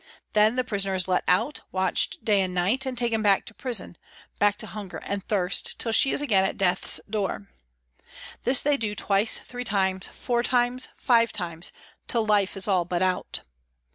Then the prisoner is let out, watched day and night, and taken back to prison, back to hunger and thirst, till she is again at death's door. This they do twice, three times, four times, five times, till life is all but out.